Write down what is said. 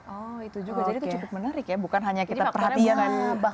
oh itu juga jadi cukup menarik ya bukan hanya kita perhatikan